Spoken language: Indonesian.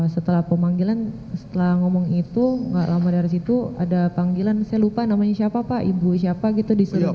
setelah pemanggilan setelah ngomong itu gak lama dari situ ada panggilan saya lupa namanya siapa pak ibu siapa gitu disuruh